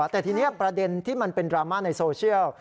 แต่ทีนี้ประเด็นที่มันเป็นดราม่าในโซเชียล